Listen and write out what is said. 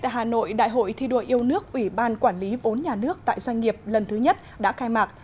hà nội đại hội thi đua yêu nước ủy ban quản lý vốn nhà nước tại doanh nghiệp lần thứ nhất đã khai mạc